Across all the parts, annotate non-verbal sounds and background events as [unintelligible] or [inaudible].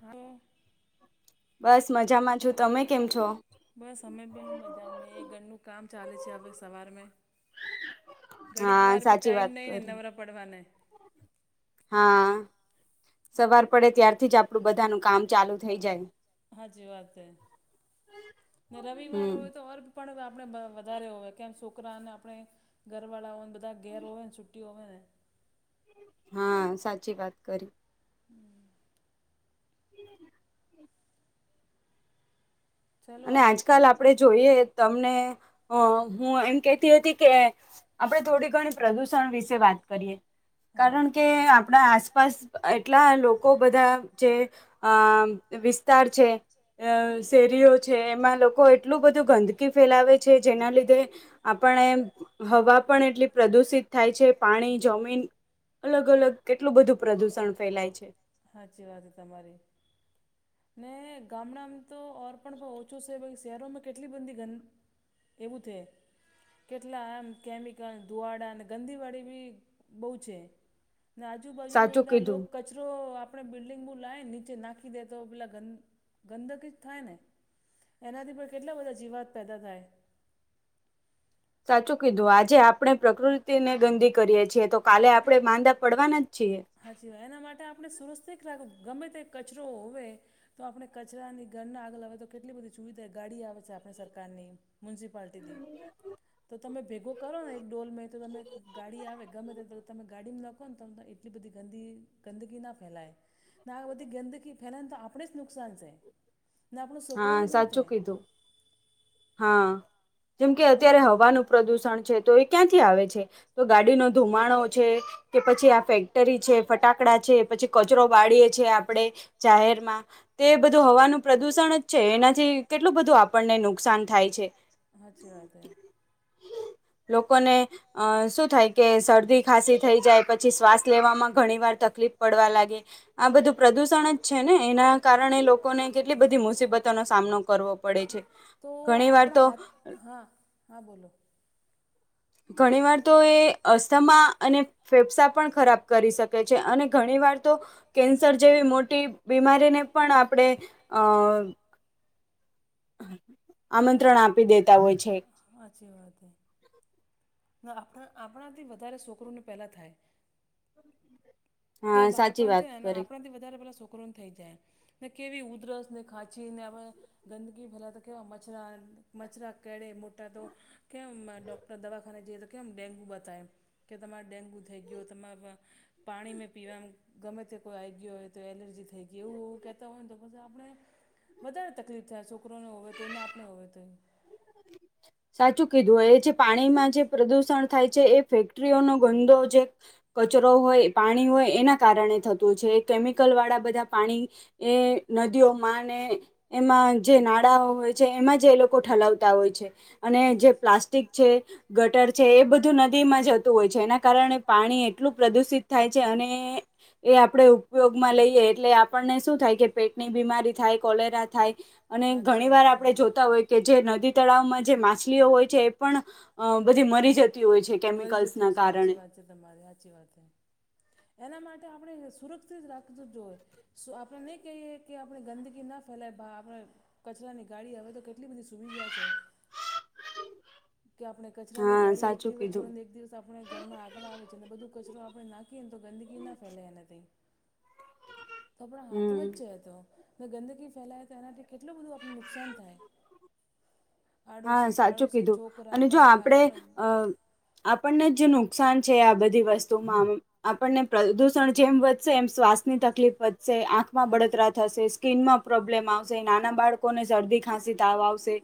હા બસ મજામાં છું તમે કેમ છો બસ અમે બી મજા એ ઘરનું કામ ચાલે છે હવે સવાર મે ઘડીક વાર બી ટાઈમ નહી ને નવરા પડવાના એ હા સવાર પડે ત્યારથી જ આપણું બધાનું કામ ચાલુ જાય હાચી વાત હે ને રવિવાર હોય તો ઓર પણ આપણે વધારે હોય કેમ છોકરાને આપણે ઘર વાળા હોય ને બધા ઘેર હોય ને છુ્ટી હોય ને હા સાચી વાત કરી હમ [inaudible] અને આજકાલ આપણેે જોઈએ તમને હું એમ કેતી હતી કે આપણે થોડી ઘણી પ્રદુષણ વિશે વાત કરીએ કારણ કે આ આપણા આસપાસ એટલા લોકો બધા જે અ વિસ્તાર છે. અ શેરીઓ છે એમાં લોકો એટલું બધું ગંદકી ફેલાવે છે જેના લીધે આપણે હવા પણ એટલી પ્રદુષિત થાય છે પાણી જમીન અલગ અલગ કેટલું બધું પ્રદૂષણ ફેલાય છે. સાચી વાત તમારી ને ગામડાંમાં તો [unintelligible] ઓછું છે. શહેરોમાં કેટલી બંધી ગંદ [unintelligible] એવું તે કેટલા એમ કેમિકલ ધુવાડા અને ગંદીવાળી બી બહુ છે. ને આજુબાજુના બધા લોક કચરો આપડે બિલ્ડિંગનું લાઈ નીચે નાખી દે તો પેલા ગન ગંદકી જ થાય ને એનાથી પણ કેટલા બધા જીવાત પેદા થાય. સાચું કીધું આજે આપણે પ્રકૃતિને ગંદી કરીએ છીએ તો કાલે આપણે માંદા પડવાના જ છીએ. હાચી વાત એના માટે આપણે [unintelligible] રાખવ ગમે તે કચરો હોવે તો આપણે કચરાની ઘરના આગળ આવે તો કેટલી બધી સુવિધા ગાડી આવે છે આપણે સરકારની. મ્યુનિસિપાલ્ટીથી. તો તમે ભેગું કરો ને એક ડોલમઈ તો તમે ગાડી આવે ગમે ત તમે ગાડીમાં નખોન તમ તાર એટલી બધી ગંદી ગંદકી ના ફેલાય. ને આ બધી ગંદકી ફેલાય ને તો આપણે જ નુકસાન છે ને આપણો સોકરોને બી છે. હા જેમ કે અત્યારે હવાનું પ્રદુષણ છે તો એ ક્યાંથી આવે છે? તો ગાડીનો ધુમાડો છે, કે પછી આ ફેક્ટરી છે, ફટાકડા છે, પછી કચરો વાળીએ છે આપડે જાહેરમાં. તે બધું હવાનું પ્રદુષણ જ છે એનાથી કેટલું બધું આપણને નુ કશાન થાય છે. સાચી વાત હૈ. લોકોને અ શું થાય કે શરદી ખાંસી થઈ જાય પછી શ્વાસ લેવામાં ઘણી વાર તકલીફ પડવા લાગે આ બધું પ્રદુષણ જ છે ને એના કારણે લોકોને કેટલી બધી મુસીબત તો નો સામનો કરવો પડે છે. તો આપણા હાથ હા હા બોલો. ઘણીવાર તો એ અસ્થામાં અને ફેફસા પણ ખરાબ કરી શકે છે અને ઘણી વાર તો કેન્સર જેવી મોટી બીમારીને પણ આપણે અ આમંત્રણ આપી દેતા હોય છે. હાચી વાત હે. ને આપણા આપણાથી વધારે સોકરુંને પહેલા થાય. કે બાળપણ છે ને એને આપણાથી વધારે પેલા સોકરુંને થઈ જાય. ને કેવી ઉધરસ ને ખાંચીને આપણે ગંદગી ભલા તો કેવા મચ્છરા મચ્છરા કરડે મોટા તો કેમ ડૉક્ટર દવાખા ને જઈએ તો કેમ ડેન્ગુ બતાવે કે તમારે ડેન્ગુ થઈ ગયો તમારા પાણી મેં પીવાનું ગમે તે કોઈ આવી ગ્યું હોય તો એલર્જી થઈ એવું કહેતા હોય ને તો પછી આપણે વધારે તકલીફ થાય સોકરુંને હોવે તોય ને આપણે હોવે તોય. સાચું કીધું એ જે પાણીમાં જે પ્રદુષણ થાય છે એ ફેક્ટરીઓનો ગંદો જે કચરો હોય પાણી હોય એના કારણે થતું છે. કેમિકલ વાળા બધા પાણી એ નદીઓમાં ને એમાં જે નાળાઓ હોય છે એમાં જ એ લોકો ઠલાવતા હોય છે અને જે પ્લાસ્ટિક છે ગટર છે એ બધું નદીમાં જતું હોય છે એના કારણે પાણી એટલું પ્રદુષિત થાય છે અને એ આપણે ઉપયોગમાં લઈએ એટલે આપણને શું થાય કે પેટની બીમારી થાય, કોલેરા થાય. અને ઘણી વાર આપણે જોતા હોય કે જે નદી તળાવમાં જે માછલીઓ હોય છે એ પણ અ બધી મરી જતી હોય છે કેમિકલ્સ ના કારણે. [unintelligible] તમારી હાચી વાત હે. એના માટે આપણે અને સુરક્ષિત રાખવું જોય, આપણે નહીં કહીએ કે આપણે ગંદગી ના ફેલાય આપણે, કચરાની ગાડી આવે તો કેટલી બધી સુવિધા છે. કે આપણે કચરાની ગાડી એક દિવસ, છોડીને એક દિવસ, આપણે ઘરના આગળ આવે છે. બધું કચરો આપણે નાખીએ ને તો ગંદગી ના ફેલાય એને થી, [inaudible] તો આપણા હાથમાં છે. એ તો ગંદકી ફેલાય તો કેટલું બધું આપણ નુકસાન થાય, આડોશી, પાડોશી, અને જો આપણે અ આપણને જે નુકસાન છે. આ બધી વસ્તુમાં, આપણને પ્રદુષણ જેમ વધશે, એમ શ્વાસની તકલીફ વધશે, આંખમાં બળતરા થશે, સ્કીન માં પ્રોબ્લેમ આવશે, નાના બાળકો ને શરદી ખાંસી, તાવ, આવશે.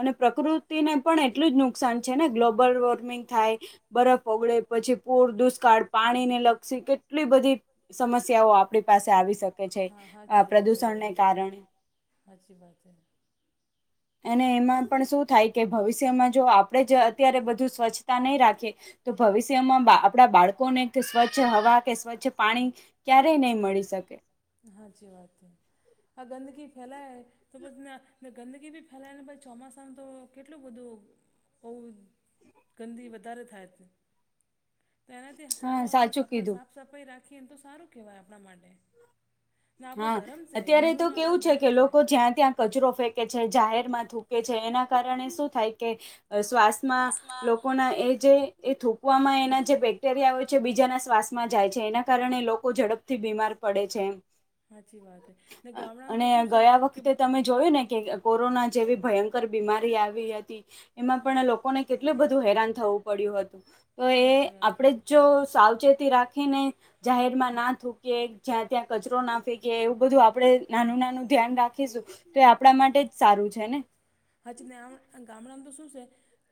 અને પ્રકૃતિને પણ એટલું જ નુકસાન છે. ને ગ્લોબલ વોર્મિંગ થાય, બરફ ઓગળે પછી પૂર દુષ્કાળ પાણી નેલક્ષી કેટલી બધી, સમસ્યાઓ આપણી પાસે આવી શકે છે. આ પ્રદૂષણને કારણે, અછી બાત હૈ. અને એમાં પણ શું થાય કે, ભવિષ્યમાં જો આપણે જ અત્યારે બધું સ્વચ્છ, સ્વછતા નહી, રાખે તો ભવિષ્યમાં આપણા બાળકોને સ્વચ્છ હવા કે સ્વચ્છ પાણી, ક્યારેય નહી. મળી શકે, હા ચી વાત આ ગંદગી ફેલાય, તો પછી ગંદગી ભી ફેલાય ને પ ચોમાસામાં તો કેટલું બધું, બોવ ગંદી વધારે થાય, તો એનાથી સારું આપણે સ સાફ સફાઈ રાખીએ સારું કહેવાય આપણા માટે. હા અત્યારે તો કેવું છે. કે લોકો જ્યાં ત્યાં, કચરો ફેંકે છે. જાહેર માં થૂકે છે. એના કારણે શું થાય કે, શ્વાસમાં લોકોના એ જે એ થુંકવામાં એના જેે બેક્ટેરિયા, બેક્ટેરિયા હોય છે, બીજાના શ્વાસમાં જાય છે, એના કારણે લોકો ઝડપથી બીમાર પડે છે. સાચી વાત હ ને ગામડામાં તો શું છે કે, જોયું ને કે કોરોના જેવી ભયંકર બીમારી આવી હતી એમાં પણ લોકોને, કેટલું બધું હેરાન થવું પડ્યું હતું, તો એ આપણેે જ જો સાવચેતી રાખ, રાખી ને જાહેરમાં ના થૂકેયે જ્યાં ત્યાં કચરો ના ફેંકી, કે એવું બધું આપડે નાનું નાનું ધ્યાન રાખીશું, તો એ આપણા માટે જ સારું છે ને. હાચ ને ગામડામાં તો શું છે.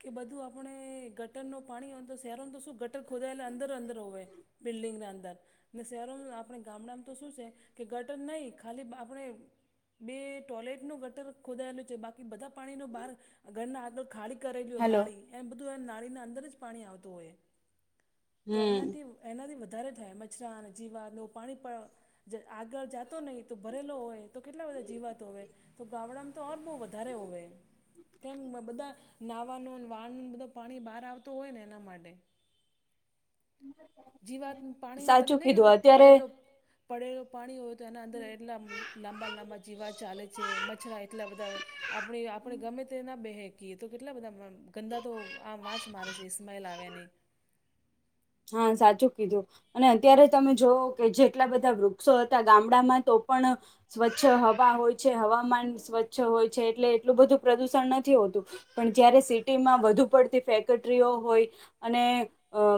કે બધું આપણે ગટર ન પાણી હોય તો શહેરોનું તો શું ગટર ખોદાયેલે અંદર અંદર હોવે, બિલ્ડિંગના અંદર. ને સહારો આપણે ગામડામાં તો શું છે. કે ગટર નહી આપણે, બે ટોયલેટ, નું ગટર ખોદાયેલું છે. બાકી બધા પાણી ન બહાર ઘર આગળ ખાડી કરેલી નાળી, એ બધું નાળીના અંદર જ પાણી આવતું હોય તો એનાથી, એનાથી વધારે થાય મચ્છરાને જીવાતનું પાણી પણ, આગળ જાતો નહી. તો ભરેલો હોય તો કેટલા બધા જીવાતો હોય, તો ગામડામાં તો ઓર બહુ વધારે હોવે, કેમ બધા નાહવાનો વાળનોને બધું પાણી બહાર આવતો હોય ને એના માટે, જીવાત પાણીમાં નને તો પેલો પડેલો પાણી હો, તો એના અંદર એટલા લાંબા લાંબા જીવા ચાલે છે મચ્છરા એટલા બધા, આપણે આપણે ગમે તે ના બેહેક, કે તો કેટલા બધા ગંદા તો આ વાંછ મારે છે ઇસ્માઈલ આવે ને. હા સાચું કીધું અને અત્યારે તમે જોઓ કે જે. એટલા બધા વૃક્ષો હતા ગામડામાં તો પણ સ્વચ્છ હવા હોય છે હવામાન સ્વચ્છ હોય છે એટલે એટલું બધું પ્રદુષણ નથી હોતું પણ જયારે સિટીમાં વધુ પડતી ફેક્ટરીઓ હોય અને અ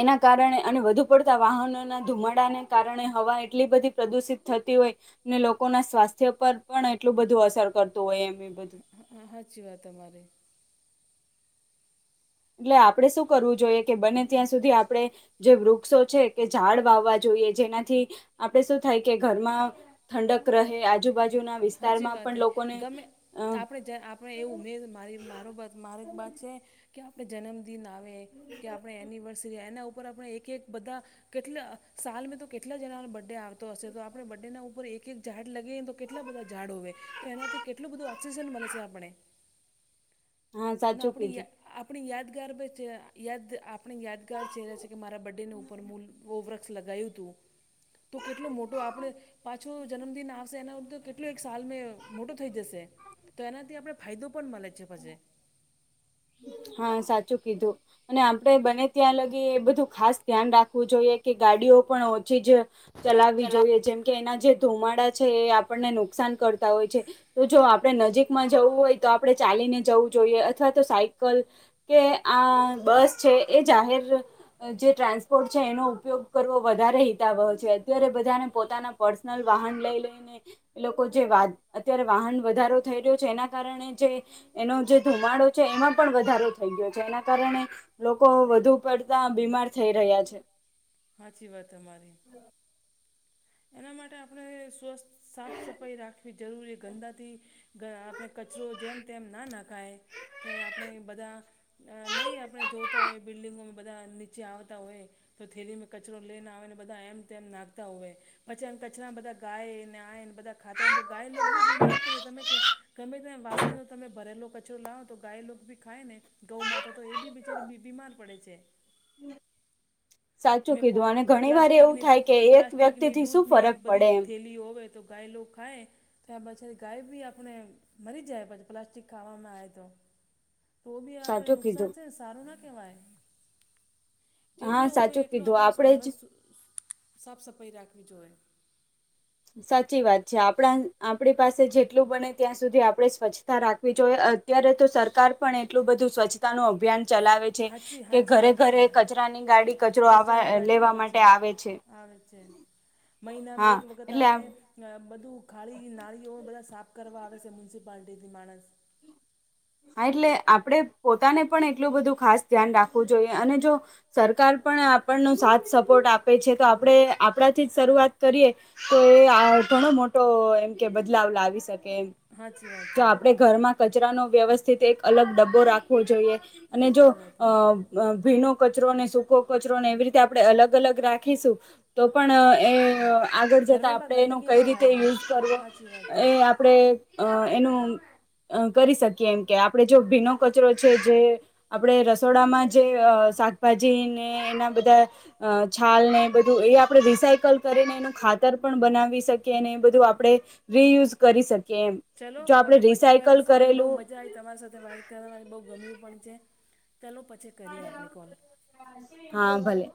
એના કારણે અને વધુ પડતા વાહનોના ધુમાડાને કારણે હવા એટલી બધી પ્રદુષિત થતી હોય ને લોકો ના સ્વાસ્થ્ય પર પણ એટલું બધું અસર કરતું હોય એમએ બધું. હા હા હાચી વાત તમારી. એટલે આપણે શું કરવું જોઈએ કે બને ત્યાં સુધી આપણે જે વૃક્ષો છે કે ઝાડ વાવવા જોઈએ જેનાથી આપણે શું થાય કે ઘરમાં ઠંડક રહે આજુબાજુ હાચી વાત હે ગમે આપણે જ આપણે એવું ઉમેર મારી મારો મારે બાત છે કે આપણે જન્મદિન આવે કે આપણે એનિવર્સરી એના ઉપર કોરા કોરા એક એક બધા કેટલા સાલ માં તો કેટલા જણા બર્થ ડે આવતો હશે તો આપણે બર્થ ડે ના ઉપર એક એક ઝાડ લગીએ તો કે કેટલા બધા ઝાડ હોવે તો એનાથી કેટલું બધું ઓક્સિજન મળે છે આપણે ના આપણી યા આપણી યાદગાર બ ચ યાદ આપ આપણે યાદગાર ચહેરા છે કે મારા બર્થ ડેને ઉપર મું વૃક્ષ લગાયું હતું. તો કેટલો મોટો આપણે પાછો જન્મદિન આવશે એના તો કેટલો એક સાલ મેં મોટો થઈ જશે. તો એનાથી આપણે ફાયદો પણ મળે છે પછે. હા સાચું કીધું. અને આપણે બને ત્યાં લગી એ બધું ખાસ ધ્યાન રાખવું જોઈએ કે ગાડીઓ પણ ઓછી જ ચલાવવી જોઈએ જેમ કે એના જે ધુમાડા છે એ આપણને નુકસાન કરતા હોય છે. તો જો આપણે નજીકમાં જવું હોય તો આપણે ચાલીને જઉ જોઈએ અથવા તો સાઈ કલ કે આ બસ છે એ જાહેર જે ટ્રાન્સપોર્ટ છે એનો ઉપયોગ કરવો વધારે હિતાવહ છે અત્યારે બધાને પોતાના પર્સનલ વાહન લઈ લઈને એ લોકો જે વા અત્યારે વાહન વધારો થઈ રહ્યો છે એના કારણે જે એનો જે ધુમાડો છે એમાં પણ વધારો થઈ ગયો છે એના કારણે લોકો વધુ પડતા બીમાર થઈ રહ્યા છે. હાચી વાત તમારી એના માટે આપણે સ્વસ્થ સાફ સફાઈ રાખવી જરૂરી ગંદાથી ગણા આપણે કચરો જેમ તેમ ના નખાય કે આપણે બધા અ નહીં આપણે જોતા હોય બિલ્ડિંગો બધા નીચે આવતા હોય તો થેલીમાં કચરો લઈને આવે ને બધા એમ તેમ નાખતા હોય પછી એમ કચરા બધા ગાય નાય ને બધા ખાતા હોંધ તો ગાય લોકો બી બીમાર પડી તમે કે ગમે તમે વાસીનો તમે ભરેલો કચરો લાવો તો ગાય લોક બી ખાય ને ગૌ માતા તો એ બી બિચારી બી બીમાર પડે છે. હ તમે કો પલાસ્ટિકની પ્લાસ્ટિકની દૂધ ની બધી થેલીઓ હોવે તો ગાય લોક ખાય ત્યા પછી ગાય બી આપણે મરી જાય પછી પ્લાસ્ટિક ખાવામાં આવે તો તો બી આપણે નુકસાન છે ને સારું ના કહેવાય જેટલું હોવે એટલું આપણે સરસ સાફ સફાઈ રાખવી જોવે. સાચી વાત છે આપણા આપણી પાસે જેટલું બને ત્યાં સુધી આપણે સ્વચ્છતા રાખવી જોઈએ અ અત્યારે તો સરકાર પણ એટલું બધું સ્વચ્છતાનું અભિયાન ચલાવે છે કે ઘરે ઘરે કચરાની ગાડી કચરાની ગાડી આવે છે. આવે છે. મહિનામાં એક વખત આપણે બધું ખાડી નાળીઓ બધા સાફ કરવા આવે છે મ્યુનિસિપાલિટીથી માણસ. હા એટલે આપડે પોતાને પણ એટલું બધું ખાસ ધ્યાન રાખવું જોઈએ અને જો સરકાર પણ આપણનો સાથ સપોર્ટ આપે છે તો આપણે આપણાથી જ શરૂઆત કરીએ તો એ આ ઘણો મોટો એમ કે બદલાવ લાવી શકે. કે તો આપણેે ઘરમાં કચરાનો વ્યવસ્થિત એક અલગ ડબ્બો રાખવો જોઈએ. અને જો અ ભીનો કચરો ને સૂકો કચરો ને એવી રી તે આપણે અલગ અલગ રાખીશું તો પણ એ અ આગળ જતાં આપણે એનો કઈ રીતે યુઝ કરવો એ આ પડે અ એનું અ કરી શકીએ એમ કે આપડણે જો ભીનો કચરો છે જે આપણેે રસોડામાં જે શાકભાજી ને એના બધાં અ છાલ ને બધું એ આપણે રીસાયકલ કરીને એનું ખાતર પણ બનાવી શકીએ ને એ બધું આપણે રિયુઝ કરી શકીએ એમ. ચલો હવે પછી કરીશ મન બઉ મજા આઇ તમાર સાથે વાત કરવાની બહુ ગમ્યુ પણ છે. ચાલો પછી કરીએ આપણે કોલ. હા, ભલે.